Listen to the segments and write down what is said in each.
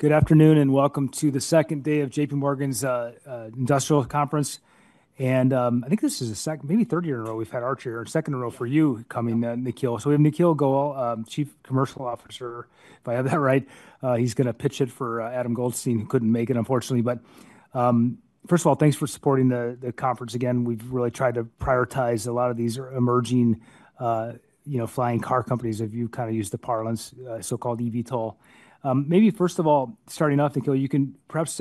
Good afternoon and welcome to the second day of J.P. Morgan's Industrial Conference. I think this is the second, maybe third year in a row we've had Archer here, and second in a row for you coming, Nikhil. We have Nikhil Goel, Chief Commercial Officer, if I have that right. He's going to pitch it for Adam Goldstein, who couldn't make it, unfortunately. First of all, thanks for supporting the conference. Again, we've really tried to prioritize a lot of these emerging, you know, flying car companies. If you've kind of used the parlance, so-called eVTOL. Maybe first of all, starting off, Nikhil, you can perhaps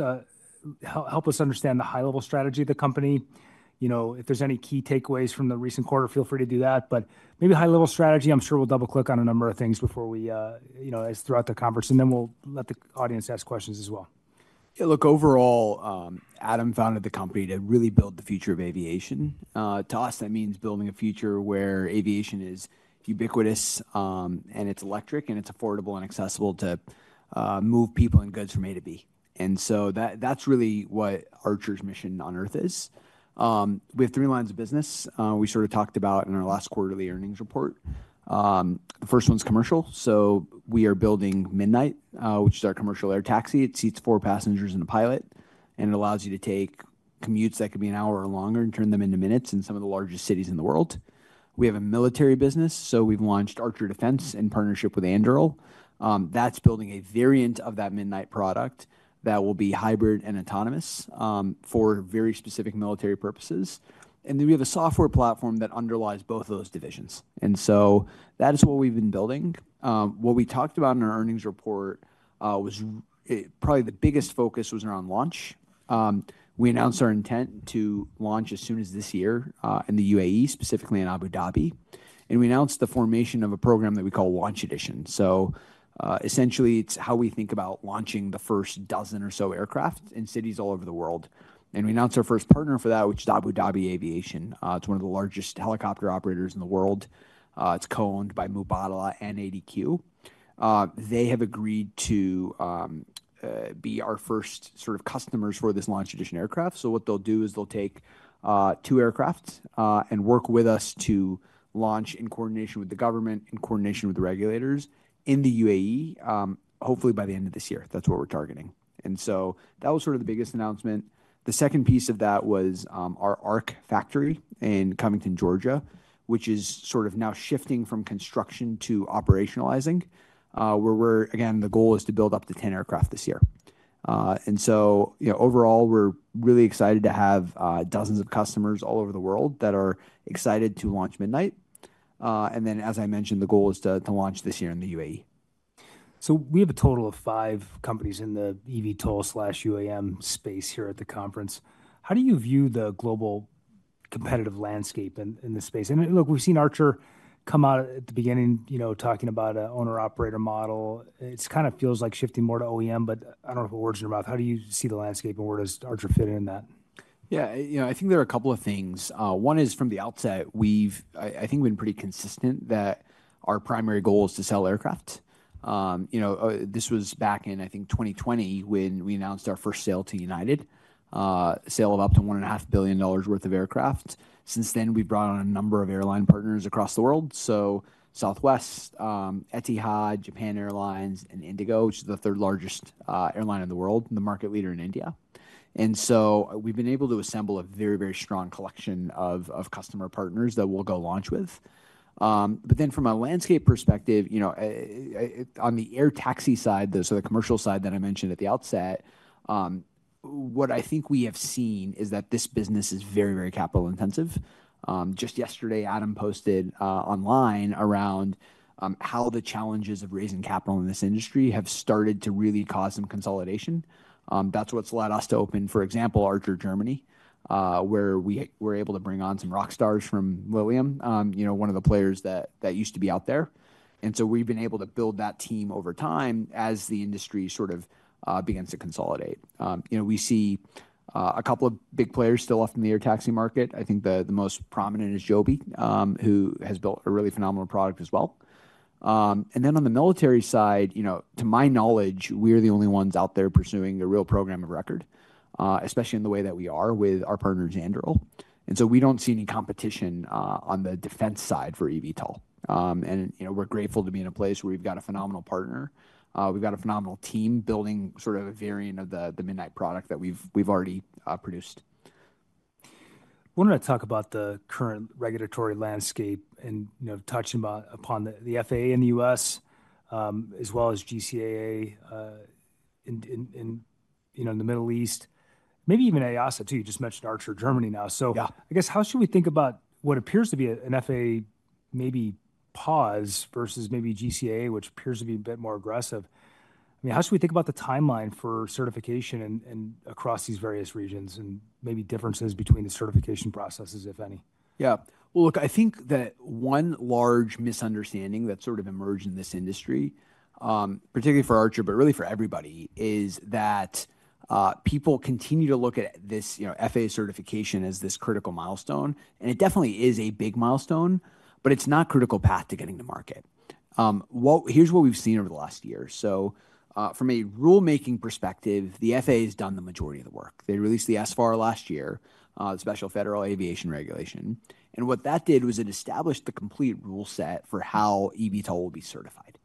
help us understand the high-level strategy of the company. You know, if there's any key takeaways from the recent quarter, feel free to do that. Maybe high-level strategy, I'm sure we'll double-click on a number of things throughout the conference, and then we'll let the audience ask questions as well. Yeah, look, overall, Adam founded the company to really build the future of aviation. To us, that means building a future where aviation is ubiquitous, and it's electric, and it's affordable and accessible to move people and goods from A to B. That is really what Archer's mission on Earth is. We have three lines of business. We sort of talked about that in our last quarterly earnings report. The first one is commercial. We are building Midnight, which is our commercial air taxi. It seats four passengers and a pilot, and it allows you to take commutes that could be an hour or longer and turn them into minutes in some of the largest cities in the world. We have a military business, so we've launched Archer Defense in partnership with Anduril. that's building a variant of that Midnight product that will be hybrid and autonomous, for very specific military purposes. Then we have a software platform that underlies both of those divisions. That is what we've been building. What we talked about in our earnings report, was probably the biggest focus was around launch. We announced our intent to launch as soon as this year, in the UAE, specifically in Abu Dhabi. We announced the formation of a program that we call Launch Edition. Essentially, it's how we think about launching the first dozen or so aircraft in cities all over the world. We announced our first partner for that, which is Abu Dhabi Aviation. It's one of the largest helicopter operators in the world. It's co-owned by Mubadala and ADQ. They have agreed to be our first sort of customers for this Launch Edition aircraft. What they'll do is they'll take two aircraft and work with us to launch in coordination with the government, in coordination with the regulators in the UAE, hopefully by the end of this year. That's what we're targeting. That was sort of the biggest announcement. The second piece of that was our ARC factory in Covington, Georgia, which is sort of now shifting from construction to operationalizing, where we're, again, the goal is to build up to 10 aircraft this year. You know, overall, we're really excited to have dozens of customers all over the world that are excited to launch Midnight. As I mentioned, the goal is to launch this year in the UAE. We have a total of five companies in the eVTOL slash UAM space here at the conference. How do you view the global competitive landscape in, in this space? And look, we've seen Archer come out at the beginning, you know, talking about an owner-operator model. It kind of feels like shifting more to OEM, but I do not know if it works in your mouth. How do you see the landscape and where does Archer fit in that? Yeah, you know, I think there are a couple of things. One is from the outset, we've, I think, been pretty consistent that our primary goal is to sell aircraft. You know, this was back in, I think, 2020 when we announced our first sale to United, a sale of up to $1.5 billion worth of aircraft. Since then, we've brought on a number of airline partners across the world. Southwest, Etihad, Japan Airlines, and IndiGo, which is the third largest airline in the world, and the market leader in India. We have been able to assemble a very, very strong collection of customer partners that we'll go launch with. But then from a landscape perspective, you know, on the air taxi side, though, so the commercial side that I mentioned at the outset, what I think we have seen is that this business is very, very capital intensive. just yesterday, Adam posted online around how the challenges of raising capital in this industry have started to really cause some consolidation. that's what's led us to open, for example, Archer Germany, where we were able to bring on some rock stars from Lilium, you know, one of the players that, that used to be out there. and so we've been able to build that team over time as the industry sort of begins to consolidate. you know, we see a couple of big players still left in the air taxi market. I think the most prominent is Joby, who has built a really phenomenal product as well. And then on the military side, you know, to my knowledge, we are the only ones out there pursuing a real program of record, especially in the way that we are with our partner, Anduril. And so we do not see any competition, on the defense side for eVTOL. and, you know, we're grateful to be in a place where we've got a phenomenal partner. we've got a phenomenal team building sort of a variant of the, the Midnight product that we've, we've already, produced. I wanted to talk about the current regulatory landscape and, you know, touching upon the FAA in the U.S., as well as GCAA in the Middle East, maybe even EASA too. You just mentioned Archer Germany now. I guess how should we think about what appears to be an FAA maybe pause versus maybe GCAA, which appears to be a bit more aggressive? I mean, how should we think about the timeline for certification and across these various regions and maybe differences between the certification processes, if any? Yeah. Look, I think that one large misunderstanding that's sort of emerged in this industry, particularly for Archer, but really for everybody, is that people continue to look at this, you know, FAA certification as this critical milestone. It definitely is a big milestone, but it's not critical path to getting to market. Here's what we've seen over the last year. From a rulemaking perspective, the FAA has done the majority of the work. They released the SFAR last year, the Special Federal Aviation Regulation. What that did was it established the complete rule set for how eVTOL will be certified.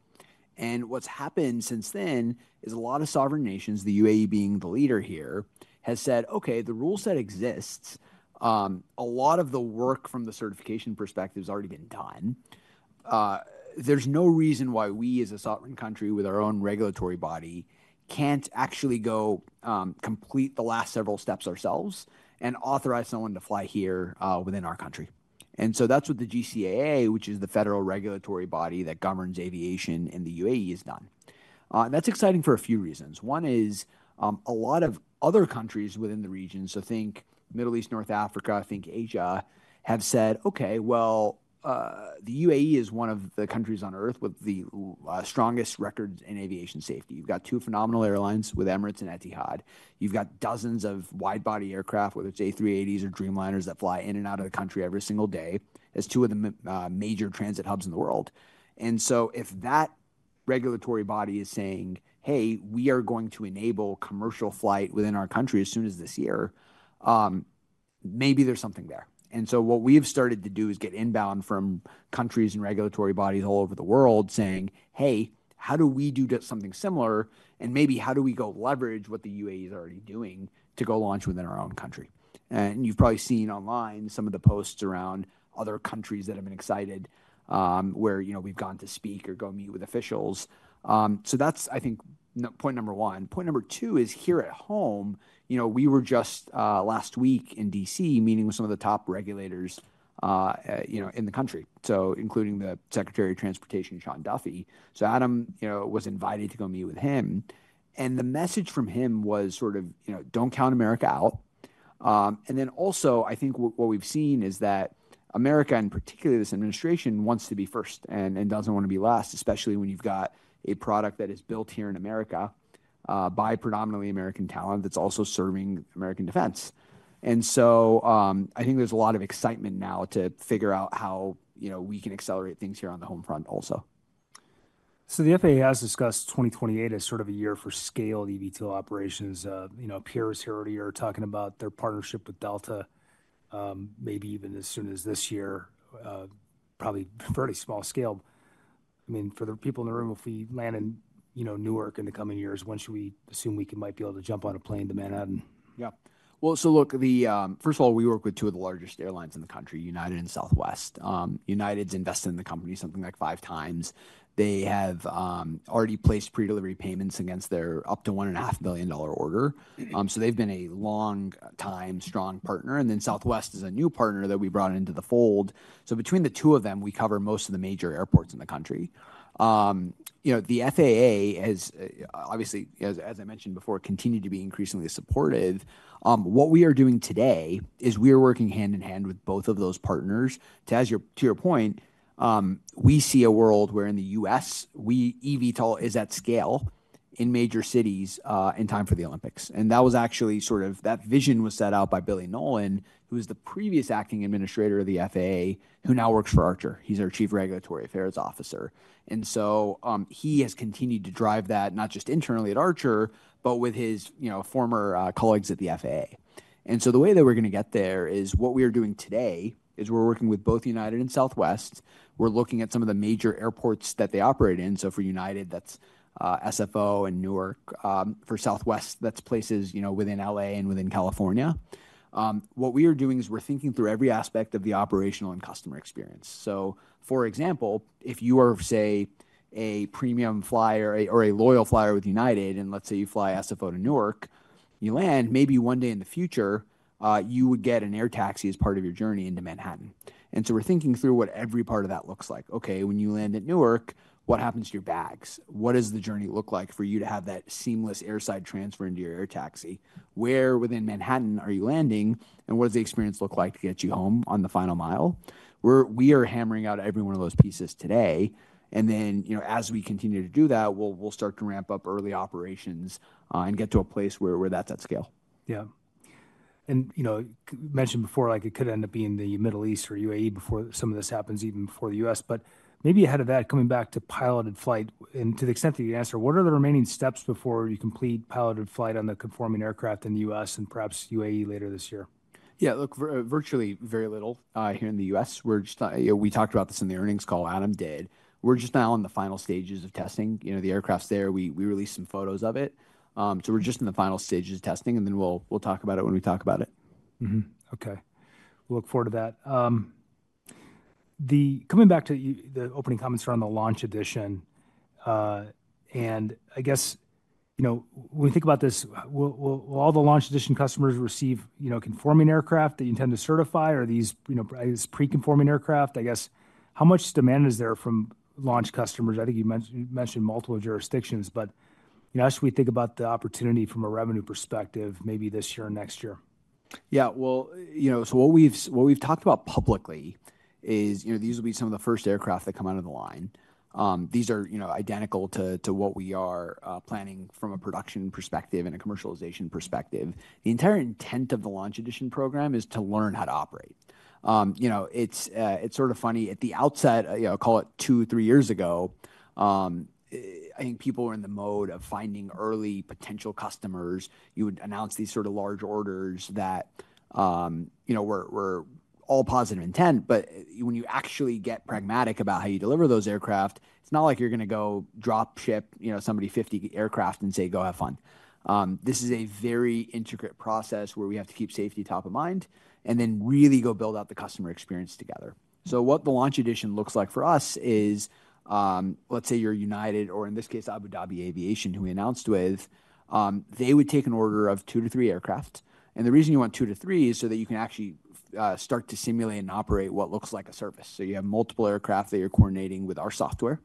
What's happened since then is a lot of sovereign nations, the UAE being the leader here, has said, okay, the rule set exists. A lot of the work from the certification perspective has already been done. There's no reason why we as a sovereign country with our own regulatory body can't actually go, complete the last several steps ourselves and authorize someone to fly here, within our country. That's what the GCAA, which is the federal regulatory body that governs aviation in the UAE, has done. That's exciting for a few reasons. One is, a lot of other countries within the region, so think Middle East, North Africa, think Asia, have said, okay, the UAE is one of the countries on Earth with the strongest records in aviation safety. You've got two phenomenal airlines with Emirates and Etihad. You've got dozens of wide-body aircraft, whether it's A380s or Dreamliners, that fly in and out of the country every single day as two of the major transit hubs in the world. If that regulatory body is saying, hey, we are going to enable commercial flight within our country as soon as this year, maybe there's something there. What we have started to do is get inbound from countries and regulatory bodies all over the world saying, hey, how do we do something similar? Maybe how do we go leverage what the UAE is already doing to go launch within our own country? You have probably seen online some of the posts around other countries that have been excited, where, you know, we have gone to speak or go meet with officials. That is, I think, point number one. Point number two is here at home, you know, we were just last week in D.C. meeting with some of the top regulators, you know, in the country, including the Secretary of Transportation, Sean Duffy. Adam, you know, was invited to go meet with him. The message from him was sort of, you know, do not count America out. I think what we have seen is that America, and particularly this administration, wants to be first and does not want to be last, especially when you have got a product that is built here in America, by predominantly American talent that is also serving American defense. I think there is a lot of excitement now to figure out how, you know, we can accelerate things here on the home front also. The FAA has discussed 2028 as sort of a year for scaled eVTOL operations. You know, peers here already are talking about their partnership with Delta, maybe even as soon as this year, probably fairly small scale. I mean, for the people in the room, if we land in, you know, Newark in the coming years, when should we assume we might be able to jump on a plane to Manhattan? Yeah. Look, first of all, we work with two of the largest airlines in the country, United and Southwest. United's invested in the company something like five times. They have already placed pre-delivery payments against their up to $1.5 billion order, so they've been a long-time strong partner. Southwest is a new partner that we brought into the fold. Between the two of them, we cover most of the major airports in the country. You know, the FAA has, obviously, as I mentioned before, continued to be increasingly supportive. What we are doing today is we are working hand in hand with both of those partners to, as you're, to your point, we see a world where in the U.S., eVTOL is at scale in major cities, in time for the Olympics. That was actually sort of that vision was set out by Billy Nolen, who was the previous acting administrator of the FAA, who now works for Archer. He's our Chief Regulatory Affairs Officer. He has continued to drive that not just internally at Archer, but with his, you know, former colleagues at the FAA. The way that we're going to get there is what we are doing today is we're working with both United and Southwest. We're looking at some of the major airports that they operate in. For United, that's SFO and Newark. For Southwest, that's places, you know, within L.A. and within California. What we are doing is we're thinking through every aspect of the operational and customer experience. For example, if you are, say, a premium flyer or a loyal flyer with United, and let's say you fly SFO to Newark, you land, maybe one day in the future, you would get an air taxi as part of your journey into Manhattan. We are thinking through what every part of that looks like. Okay, when you land at Newark, what happens to your bags? What does the journey look like for you to have that seamless airside transfer into your air taxi? Where within Manhattan are you landing? What does the experience look like to get you home on the final mile? We are hammering out every one of those pieces today. As we continue to do that, we will start to ramp up early operations and get to a place where that's at scale. Yeah. You know, mentioned before, like it could end up being the Middle East or UAE before some of this happens, even before the U.S., but maybe ahead of that, coming back to piloted flight, and to the extent that you answer, what are the remaining steps before you complete piloted flight on the conforming aircraft in the U.S. and perhaps UAE later this year? Yeah, look, virtually very little, here in the U.S. We're just, you know, we talked about this in the earnings call, Adam did. We're just now in the final stages of testing, you know, the aircraft's there. We released some photos of it. We're just in the final stages of testing, and then we'll talk about it when we talk about it. Mm-hmm. Okay. We'll look forward to that. Coming back to the opening comments around the Launch Edition, and I guess, you know, when we think about this, will all the Launch Edition customers receive, you know, conforming aircraft that you intend to certify? Are these, you know, are these pre-conforming aircraft? I guess, how much demand is there from launch customers? I think you mentioned, you mentioned multiple jurisdictions, but, you know, as we think about the opportunity from a revenue perspective, maybe this year and next year. Yeah, you know, what we've talked about publicly is these will be some of the first aircraft that come out of the line. These are identical to what we are planning from a production perspective and a commercialization perspective. The entire intent of the Launch Edition program is to learn how to operate. You know, it's sort of funny at the outset, call it two, three years ago, I think people were in the mode of finding early potential customers. You would announce these sort of large orders that were all positive intent, but when you actually get pragmatic about how you deliver those aircraft, it's not like you're going to go drop ship somebody 50 aircraft and say, go have fun. This is a very intricate process where we have to keep safety top of mind and then really go build out the customer experience together. What the Launch Edition looks like for us is, let's say you're United or in this case, Abu Dhabi Aviation, who we announced with, they would take an order of two to three aircraft. The reason you want two to three is so that you can actually start to simulate and operate what looks like a service. You have multiple aircraft that you're coordinating with our software.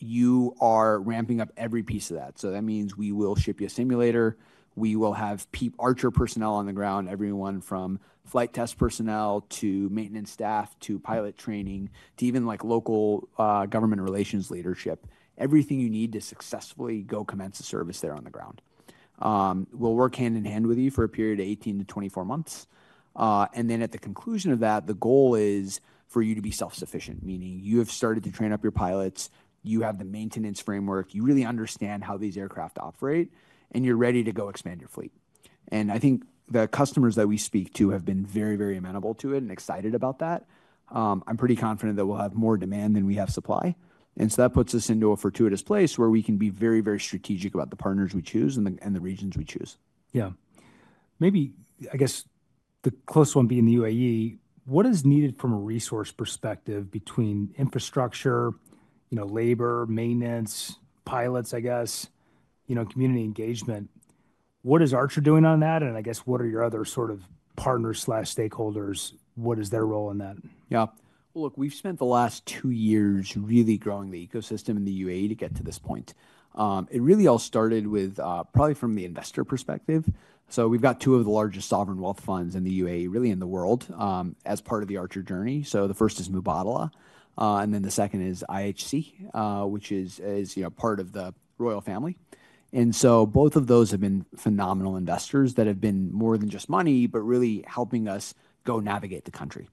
You are ramping up every piece of that. That means we will ship you a simulator. We will have Archer personnel on the ground, everyone from flight test personnel to maintenance staff to pilot training to even like local government relations leadership, everything you need to successfully commence a service there on the ground. We'll work hand in hand with you for a period of 18 to 24 months. At the conclusion of that, the goal is for you to be self-sufficient, meaning you have started to train up your pilots, you have the maintenance framework, you really understand how these aircraft operate, and you're ready to expand your fleet. I think the customers that we speak to have been very, very amenable to it and excited about that. I'm pretty confident that we'll have more demand than we have supply. That puts us into a fortuitous place where we can be very, very strategic about the partners we choose and the regions we choose. Yeah. Maybe, I guess the closest one being the UAE, what is needed from a resource perspective between infrastructure, you know, labor, maintenance, pilots, I guess, you know, community engagement? What is Archer doing on that? I guess what are your other sort of partners slash stakeholders? What is their role in that? Yeah. Look, we've spent the last two years really growing the ecosystem in the UAE to get to this point. It really all started with, probably from the investor perspective. We've got two of the largest sovereign wealth funds in the UAE, really in the world, as part of the Archer journey. The first is Mubadala, and then the second is IHC, which is, you know, part of the royal family. Both of those have been phenomenal investors that have been more than just money, but really helping us go navigate the country.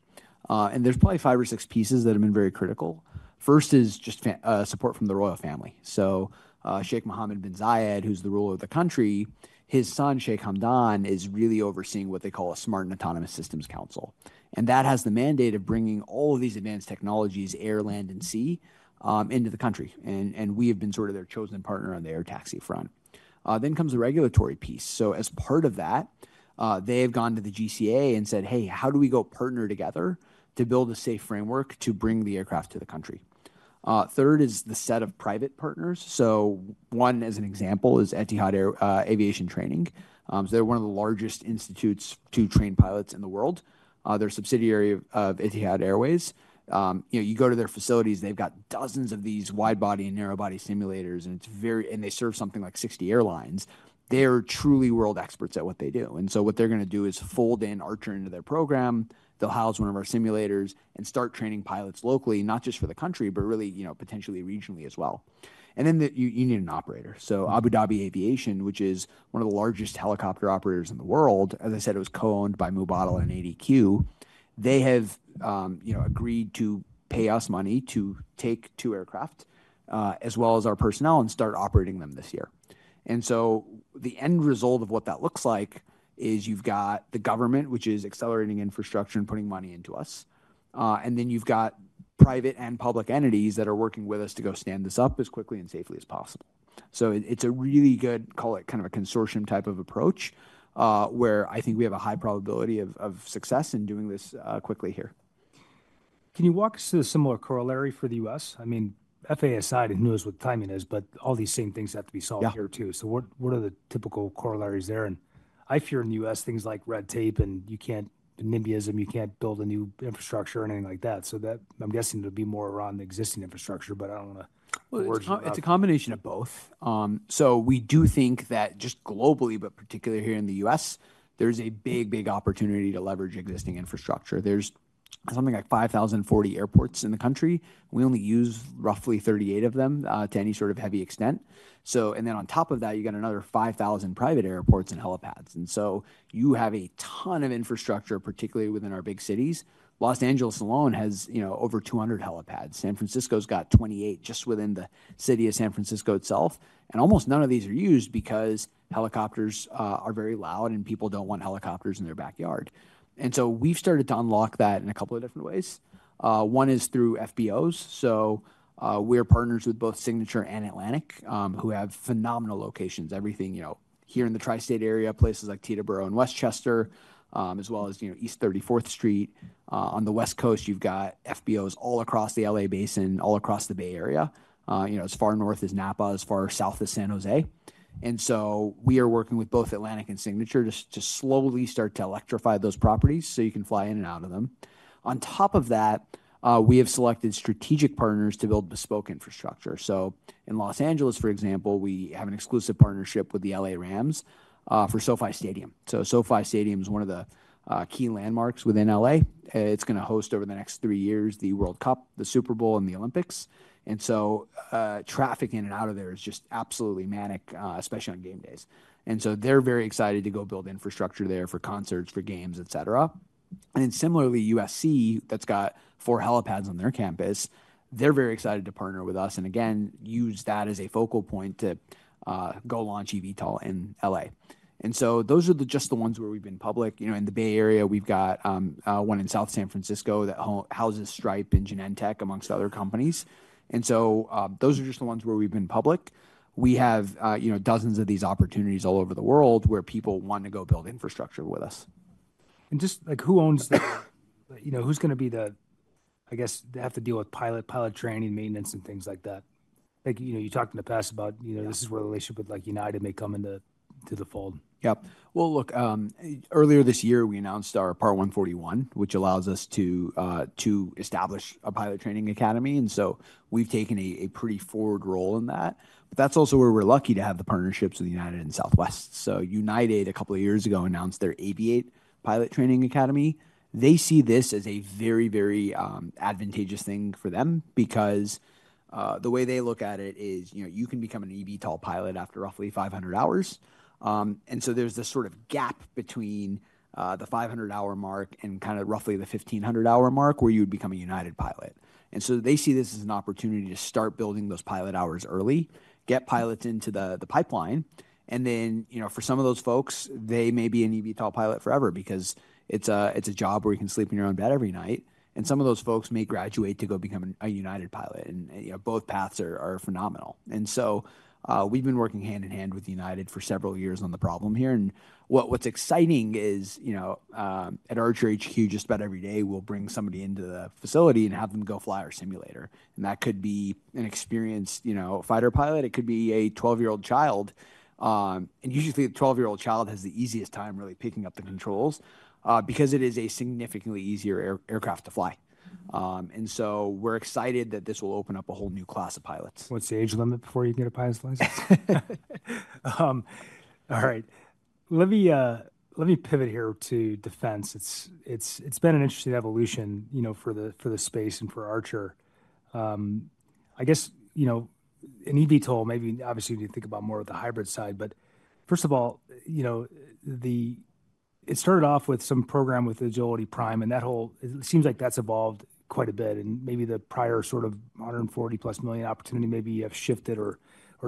There's probably five or six pieces that have been very critical. First is just support from the royal family. Sheikh Mohamed bin Zayed, who's the ruler of the country, his son, Sheikh Hamdan, is really overseeing what they call a Smart and Autonomous Systems Council. That has the mandate of bringing all of these advanced technologies, air, land, and sea, into the country. We have been sort of their chosen partner on the air taxi front. The regulatory piece comes next. As part of that, they have gone to the GCAA and said, hey, how do we go partner together to build a safe framework to bring the aircraft to the country? Third is the set of private partners. One as an example is Etihad Aviation Training. They are one of the largest institutes to train pilots in the world. They are a subsidiary of Etihad Airways. You know, you go to their facilities, they've got dozens of these wide-body and narrow-body simulators, and it's very, and they serve something like 60 airlines. They're truly world experts at what they do. What they're going to do is fold in Archer into their program. They'll house one of our simulators and start training pilots locally, not just for the country, but really, you know, potentially regionally as well. You need an operator. Abu Dhabi Aviation, which is one of the largest helicopter operators in the world, as I said, is co-owned by Mubadala and ADQ. They have, you know, agreed to pay us money to take two aircraft, as well as our personnel and start operating them this year. The end result of what that looks like is you've got the government, which is accelerating infrastructure and putting money into us. Then you've got private and public entities that are working with us to go stand this up as quickly and safely as possible. It's a really good, call it kind of a consortium type of approach, where I think we have a high probability of success in doing this quickly here. Can you walk us through a similar corollary for the U.S.? I mean, FAA aside, who knows what the timing is, but all these same things have to be solved here too. What are the typical corollaries there? I fear in the U.S., things like red tape and you can't nimbyism, you can't build a new infrastructure or anything like that. I'm guessing it'll be more around the existing infrastructure, but I don't want to. It's a combination of both. We do think that just globally, but particularly here in the U.S., there's a big, big opportunity to leverage existing infrastructure. There's something like 5,040 airports in the country. We only use roughly 38 of them to any sort of heavy extent. On top of that, you got another 5,000 private airports and helipads. You have a ton of infrastructure, particularly within our big cities. Los Angeles alone has, you know, over 200 helipads. San Francisco's got 28 just within the city of San Francisco itself. Almost none of these are used because helicopters are very loud and people don't want helicopters in their backyard. We've started to unlock that in a couple of different ways. One is through FBOs. We are partners with both Signature and Atlantic, who have phenomenal locations, everything, you know, here in the Tri-State area, places like Teterboro and Westchester, as well as, you know, East 34th Street. On the West Coast, you've got FBOs all across the L.A. Basin, all across the Bay Area, you know, as far north as Napa, as far south as San Jose. We are working with both Atlantic and Signature just to slowly start to electrify those properties so you can fly in and out of them. On top of that, we have selected strategic partners to build bespoke infrastructure. In Los Angeles, for example, we have an exclusive partnership with the L.A. Rams, for SoFi Stadium. SoFi Stadium is one of the key landmarks within L.A. It's going to host over the next three years the World Cup, the Super Bowl, and the Olympics. Traffic in and out of there is just absolutely manic, especially on game days. They're very excited to go build infrastructure there for concerts, for games, et cetera. Similarly, USC, that's got four helipads on their campus. They're very excited to partner with us and again, use that as a focal point to go launch eVTOL in L.A. Those are just the ones where we've been public. You know, in the Bay Area, we've got one in South San Francisco that houses Stripe and Genentech amongst other companies. Those are just the ones where we've been public. We have, you know, dozens of these opportunities all over the world where people want to go build infrastructure with us. Just like, who owns the, you know, who's going to be the, I guess, they have to deal with pilot, pilot training, maintenance, and things like that. Like, you know, you talked in the past about, you know, this is where the relationship with like United may come into the fold. Yep. Earlier this year, we announced our Part 141, which allows us to establish a pilot training academy. We've taken a pretty forward role in that. That's also where we're lucky to have the partnerships with United and Southwest. United, a couple of years ago, announced their Aviate Pilot Training Academy. They see this as a very, very advantageous thing for them because, the way they look at it is, you know, you can become an eVTOL pilot after roughly 500 hours. There's this sort of gap between the 500-hour mark and kind of roughly the 1,500-hour mark where you would become a United pilot. They see this as an opportunity to start building those pilot hours early, get pilots into the pipeline. You know, for some of those folks, they may be an eVTOL pilot forever because it's a job where you can sleep in your own bed every night. Some of those folks may graduate to go become a United pilot. You know, both paths are phenomenal. We've been working hand in hand with United for several years on the problem here. What's exciting is, you know, at Archer HQ, just about every day, we'll bring somebody into the facility and have them go fly our simulator. That could be an experienced, you know, fighter pilot. It could be a 12-year-old child, and usually the 12-year-old child has the easiest time really picking up the controls, because it is a significantly easier aircraft to fly. We're excited that this will open up a whole new class of pilots. What's the age limit before you can get a pilot's license? All right. Let me pivot here to defense. It's been an interesting evolution, you know, for the space and for Archer. I guess, you know, an eVTOL, maybe obviously you need to think about more of the hybrid side, but first of all, you know, it started off with some program with Agility Prime and that whole, it seems like that's evolved quite a bit and maybe the prior sort of $140 million-plus opportunity maybe you have shifted or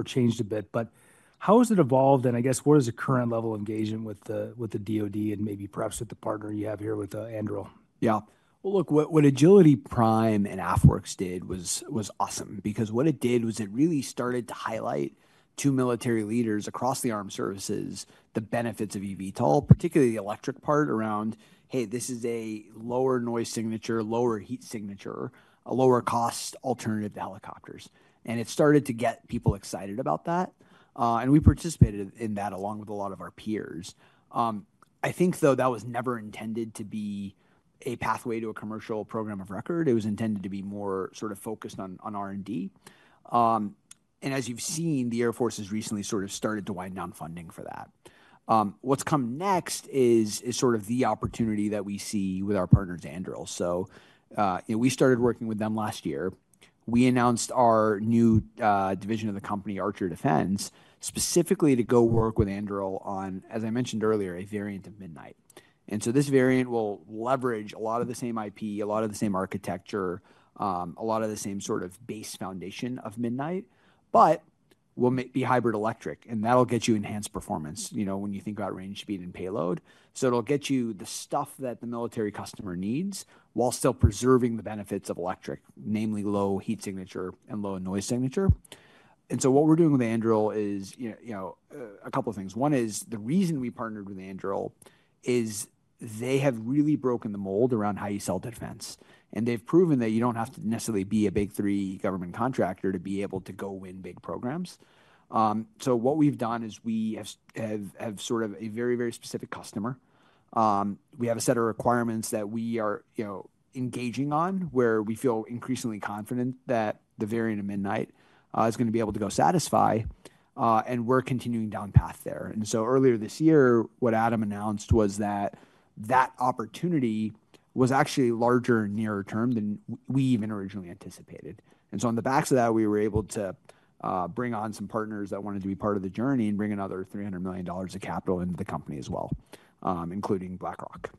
changed a bit, but how has it evolved? I guess what is the current level of engagement with the DOD and maybe perhaps with the partner you have here with Anduril? Yeah. Look, what Agility Prime and AFWERX did was awesome because what it did was it really started to highlight to military leaders across the armed services the benefits of eVTOL, particularly the electric part around, hey, this is a lower noise signature, lower heat signature, a lower cost alternative to helicopters. It started to get people excited about that. We participated in that along with a lot of our peers. I think though that was never intended to be a pathway to a commercial program of record. It was intended to be more sort of focused on R&D. As you've seen, the Air Force has recently sort of started to wind down funding for that. What's come next is the opportunity that we see with our partners, Anduril. You know, we started working with them last year. We announced our new division of the company, Archer Defense, specifically to go work with Anduril on, as I mentioned earlier, a variant of Midnight. This variant will leverage a lot of the same IP, a lot of the same architecture, a lot of the same sort of base foundation of Midnight, but will be hybrid electric. That will get you enhanced performance, you know, when you think about range, speed, and payload. It will get you the stuff that the military customer needs while still preserving the benefits of electric, namely low heat signature and low noise signature. What we are doing with Anduril is, you know, a couple of things. One is the reason we partnered with Anduril is they have really broken the mold around how you sell defense. They've proven that you don't have to necessarily be a big three government contractor to be able to go win big programs. What we've done is we have sort of a very, very specific customer. We have a set of requirements that we are, you know, engaging on where we feel increasingly confident that the variant of Midnight is going to be able to go satisfy, and we're continuing down path there. Earlier this year, what Adam announced was that that opportunity was actually larger and nearer term than we even originally anticipated. On the backs of that, we were able to bring on some partners that wanted to be part of the journey and bring another $300 million of capital into the company as well, including BlackRock.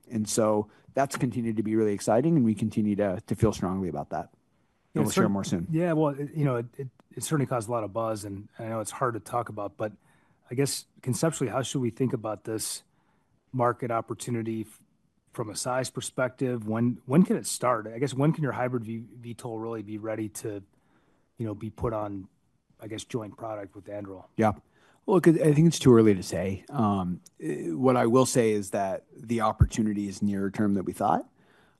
That's continued to be really exciting and we continue to feel strongly about that. We'll share more soon. Yeah. You know, it certainly caused a lot of buzz and I know it's hard to talk about, but I guess conceptually, how should we think about this market opportunity from a size perspective? When can it start? I guess when can your hybrid VTOL really be ready to, you know, be put on, I guess, joint product with Anduril? Yeah. Look, I think it's too early to say. What I will say is that the opportunity is nearer term than we thought,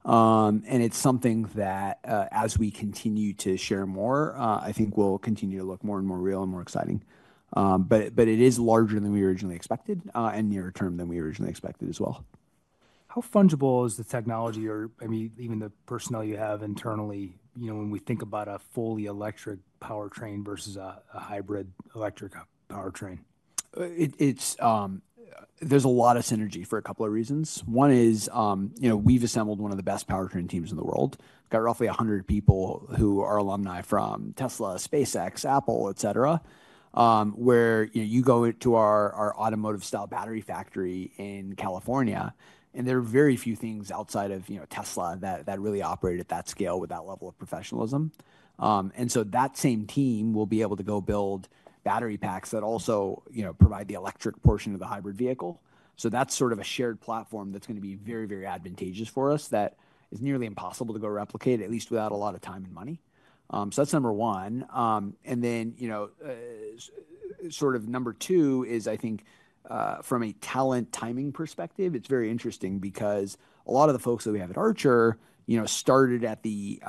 and it's something that, as we continue to share more, I think will continue to look more and more real and more exciting. It is larger than we originally expected, and nearer term than we originally expected as well. How fungible is the technology or maybe even the personnel you have internally, you know, when we think about a fully electric powertrain versus a hybrid electric powertrain? There's a lot of synergy for a couple of reasons. One is, you know, we've assembled one of the best powertrain teams in the world. We've got roughly 100 people who are alumni from Tesla, SpaceX, Apple, et cetera, where, you know, you go to our automotive style battery factory in California and there are very few things outside of, you know, Tesla that really operate at that scale with that level of professionalism. That same team will be able to go build battery packs that also, you know, provide the electric portion of the hybrid vehicle. That's sort of a shared platform that's going to be very, very advantageous for us that is nearly impossible to go replicate, at least without a lot of time and money. That's number one. and then, you know, sort of number two is I think, from a talent timing perspective, it's very interesting because a lot of the folks that we have at Archer, you know, started at the,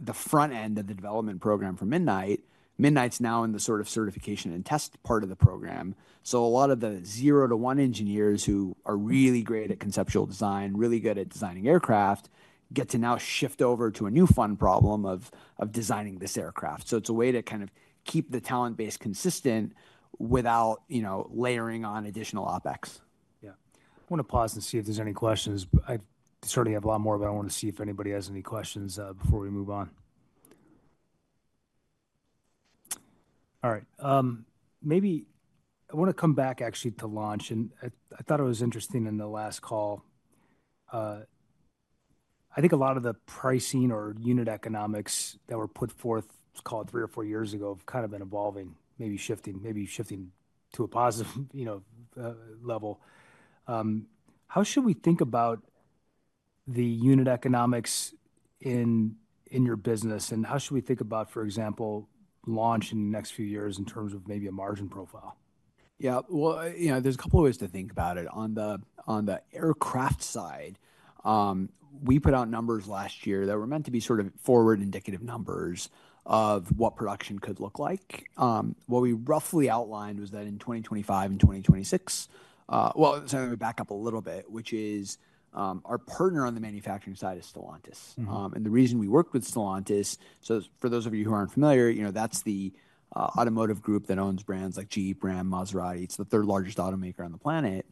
the front end of the development program for Midnight. Midnight's now in the sort of certification and test part of the program. So a lot of the zero to one engineers who are really great at conceptual design, really good at designing aircraft, get to now shift over to a new fun problem of, of designing this aircraft. So it's a way to kind of keep the talent base consistent without, you know, layering on additional OpEx. Yeah. I want to pause and see if there's any questions. I certainly have a lot more, but I want to see if anybody has any questions, before we move on. All right. Maybe I want to come back actually to launch and I thought it was interesting in the last call. I think a lot of the pricing or unit economics that were put forth, called three or four years ago, have kind of been evolving, maybe shifting, maybe shifting to a positive, you know, level. How should we think about the unit economics in, in your business and how should we think about, for example, launch in the next few years in terms of maybe a margin profile? Yeah. You know, there's a couple of ways to think about it. On the aircraft side, we put out numbers last year that were meant to be sort of forward indicative numbers of what production could look like. What we roughly outlined was that in 2025 and 2026, if we back up a little bit, our partner on the manufacturing side is Stellantis. The reason we worked with Stellantis, for those of you who aren't familiar, that's the automotive group that owns brands like Jeep, Ram, Maserati. It's the third largest automaker on the planet,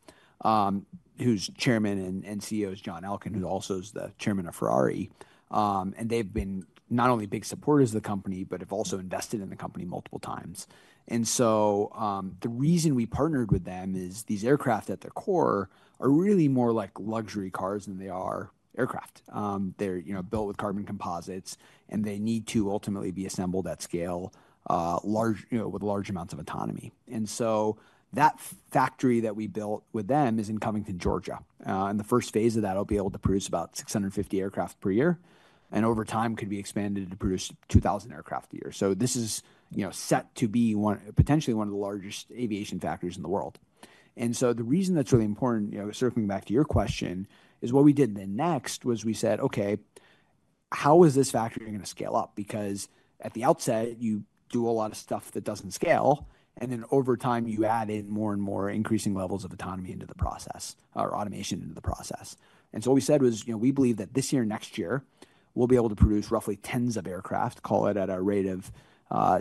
whose Chairman and CEO is John Elkann, who also is the Chairman of Ferrari. They've been not only big supporters of the company, but have also invested in the company multiple times. The reason we partnered with them is these aircraft at their core are really more like luxury cars than they are aircraft. They're, you know, built with carbon composites and they need to ultimately be assembled at scale, large, you know, with large amounts of autonomy. That factory that we built with them is in Covington, Georgia, and the first phase of that will be able to produce about 650 aircraft per year and over time could be expanded to produce 2,000 aircraft a year. This is, you know, set to be one potentially one of the largest aviation factories in the world. The reason that's really important, you know, circling back to your question, is what we did then next was we said, okay, how is this factory going to scale up? Because at the outset, you do a lot of stuff that does not scale. Then over time you add in more and more increasing levels of autonomy into the process or automation into the process. What we said was, you know, we believe that this year and next year we will be able to produce roughly tens of aircraft, call it at a rate of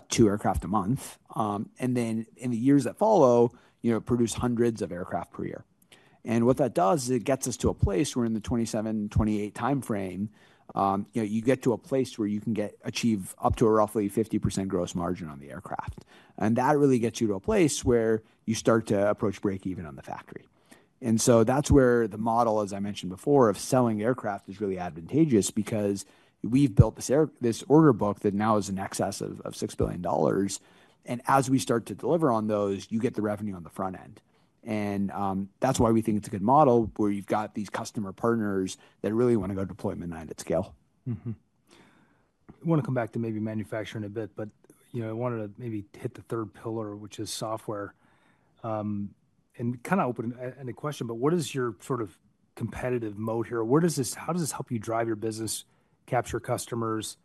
two aircraft a month. In the years that follow, you know, produce hundreds of aircraft per year. What that does is it gets us to a place where in the 2027, 2028 timeframe, you know, you get to a place where you can achieve up to a roughly 50% gross margin on the aircraft. That really gets you to a place where you start to approach break even on the factory. That is where the model, as I mentioned before, of selling aircraft is really advantageous because we have built this order book that now is in excess of $6 billion. As we start to deliver on those, you get the revenue on the front end. That is why we think it is a good model where you have these customer partners that really want to go deploy Midnight at scale. Mm-hmm. I want to come back to maybe manufacturing a bit, but, you know, I wanted to maybe hit the third pillar, which is software. And kind of opening a question, but what is your sort of competitive mode here? Where does this, how does this help you drive your business, capture customers,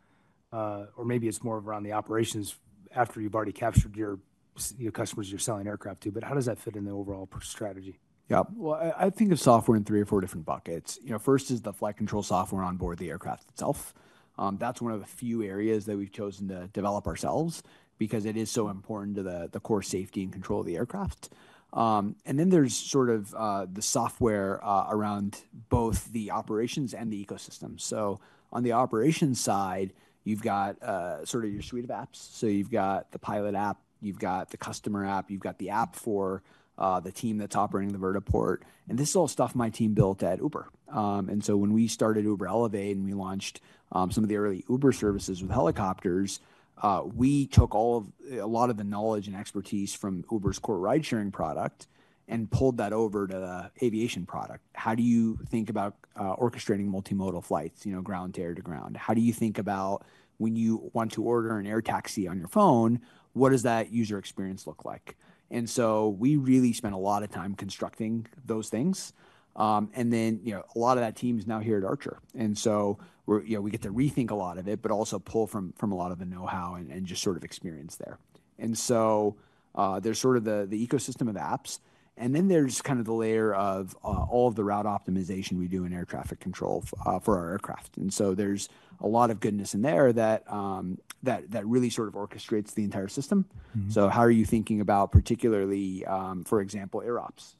or maybe it's more of around the operations after you've already captured your, your customers, you're selling aircraft to, but how does that fit in the overall strategy? Yeah. I think of software in three or four different buckets. You know, first is the flight control software on board the aircraft itself. That's one of the few areas that we've chosen to develop ourselves because it is so important to the core safety and control of the aircraft. Then there's sort of the software around both the operations and the ecosystem. On the operations side, you've got sort of your suite of apps. You've got the pilot app, you've got the customer app, you've got the app for the team that's operating the Vertiport. This is all stuff my team built at Uber. When we started Uber Elevate and we launched, some of the early Uber services with helicopters, we took a lot of the knowledge and expertise from Uber's core ride sharing product and pulled that over to the aviation product. How do you think about orchestrating multimodal flights, you know, ground to air to ground? How do you think about when you want to order an air taxi on your phone, what does that user experience look like? We really spent a lot of time constructing those things. A lot of that team is now here at Archer. We get to rethink a lot of it, but also pull from a lot of the know-how and just sort of experience there. There's sort of the ecosystem of apps. There's kind of the layer of all of the route optimization we do in air traffic control for our aircraft. There's a lot of goodness in there that really sort of orchestrates the entire system. How are you thinking about, particularly, for example, air ops?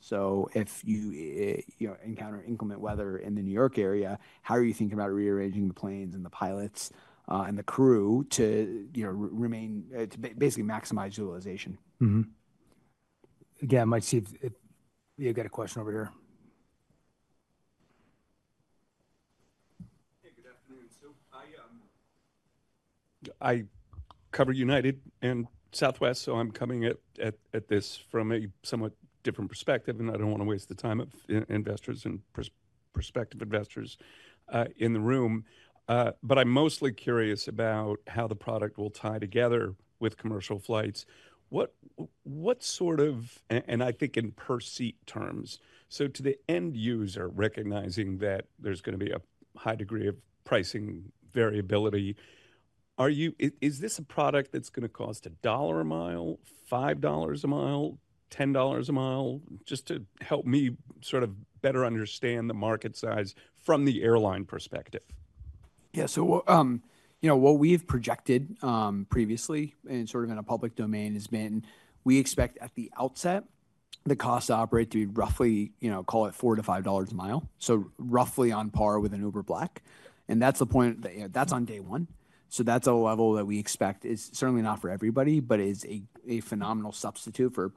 If you encounter inclement weather in the New York area, how are you thinking about rearranging the planes and the pilots and the crew to basically maximize utilization? Mm-hmm. Again, I might see if you've got a question over here. Hey, good afternoon. I cover United and Southwest, so I'm coming at this from a somewhat different perspective, and I don't want to waste the time of investors and prospective investors in the room. I'm mostly curious about how the product will tie together with commercial flights. What sort of, and I think in per seat terms, so to the end user, recognizing that there's going to be a high degree of pricing variability, is this a product that's going to cost a dollar a mile, $5 a mile, $10 a mile, just to help me sort of better understand the market size from the airline perspective? Yeah. So, you know, what we've projected previously and sort of in a public domain has been, we expect at the outset, the cost to operate to be roughly, you know, call it $4-$5 a mile. So roughly on par with an Uber Black. That's the point that, you know, that's on day one. That's a level that we expect is certainly not for everybody, but is a phenomenal substitute for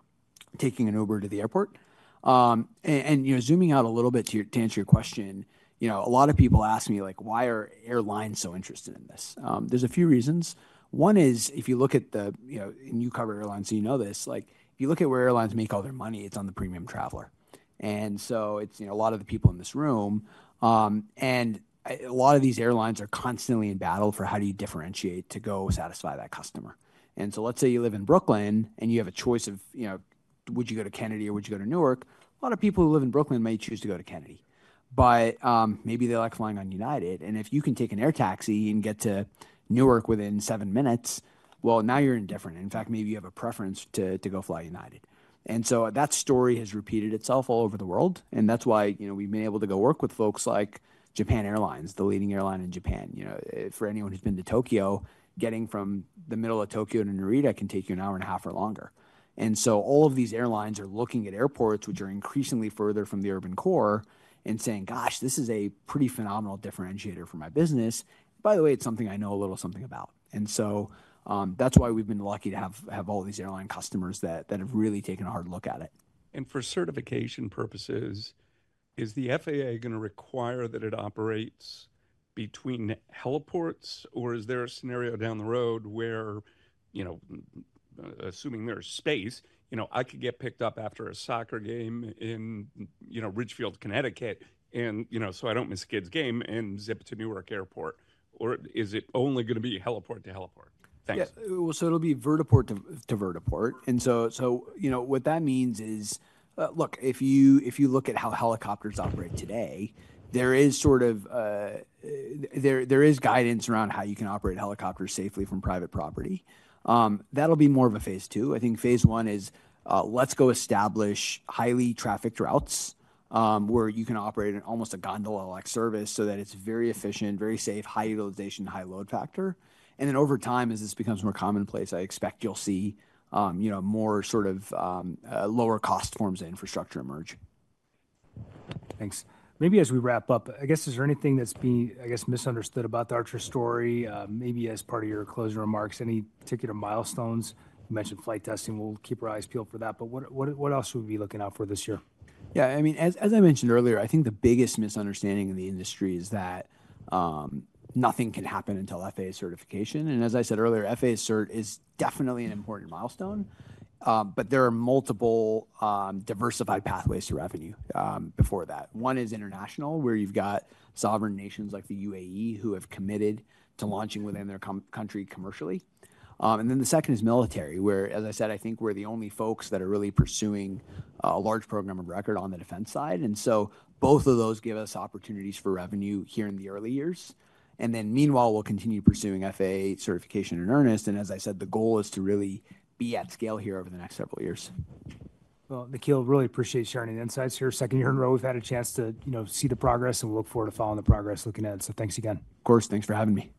taking an Uber to the airport. You know, zooming out a little bit to answer your question, you know, a lot of people ask me like, why are airlines so interested in this? There's a few reasons. One is if you look at the, you know, and you cover airlines, so you know this, like if you look at where airlines make all their money, it's on the premium traveler. It's, you know, a lot of the people in this room, and a lot of these airlines are constantly in battle for how do you differentiate to go satisfy that customer. Let's say you live in Brooklyn and you have a choice of, you know, would you go to Kennedy or would you go to Newark? A lot of people who live in Brooklyn may choose to go to Kennedy, but maybe they like flying on United. If you can take an air taxi and get to Newark within seven minutes, now you're indifferent. In fact, maybe you have a preference to go fly United. That story has repeated itself all over the world. That's why, you know, we've been able to go work with folks like Japan Airlines, the leading airline in Japan. You know, for anyone who's been to Tokyo, getting from the middle of Tokyo to Narita can take you an hour and a half or longer. All of these airlines are looking at airports, which are increasingly further from the urban core and saying, gosh, this is a pretty phenomenal differentiator for my business. By the way, it's something I know a little something about. That's why we've been lucky to have all these airline customers that have really taken a hard look at it. For certification purposes, is the FAA going to require that it operates between heliports, or is there a scenario down the road where, you know, assuming there's space, you know, I could get picked up after a soccer game in, you know, Ridgefield, Connecticut, and, you know, so I don't miss kid's game and zip to Newark Airport, or is it only going to be heliport to heliport? Thanks. Yeah. It'll be Vertiport to Vertiport. You know, what that means is, look, if you look at how helicopters operate today, there is sort of, there is guidance around how you can operate helicopters safely from private property. That'll be more of a phase two. I think phase one is, let's go establish highly trafficked routes, where you can operate in almost a gondola-like service so that it's very efficient, very safe, high utilization, high load factor. Then over time, as this becomes more commonplace, I expect you'll see, you know, more sort of lower cost forms of infrastructure emerge. Thanks. Maybe as we wrap up, I guess, is there anything that's being, I guess, misunderstood about the Archer story, maybe as part of your closing remarks, any particular milestones? You mentioned flight testing. We'll keep our eyes peeled for that. What else would we be looking out for this year? Yeah. I mean, as I mentioned earlier, I think the biggest misunderstanding in the industry is that nothing can happen until FAA certification. As I said earlier, FAA cert is definitely an important milestone, but there are multiple, diversified pathways to revenue before that. One is international, where you've got sovereign nations like the UAE who have committed to launching within their country commercially. The second is military, where, as I said, I think we're the only folks that are really pursuing a large program of record on the defense side. Both of those give us opportunities for revenue here in the early years. Meanwhile, we'll continue pursuing FAA certification in earnest. As I said, the goal is to really be at scale here over the next several years. Nikhil, really appreciate sharing the insights here. Second year in a row, we've had a chance to, you know, see the progress and we look forward to following the progress looking ahead. Thanks again. Of course. Thanks for having me.